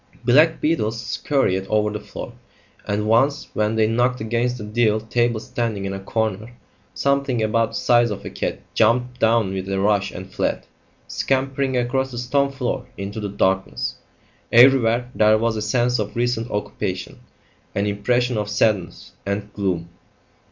Black beetles scurried over the floor, and once, when they knocked against a deal table standing in a corner, something about the size of a cat jumped down with a rush and fled, scampering across the stone floor into the darkness. Everywhere there was a sense of recent occupation, an impression of sadness and gloom.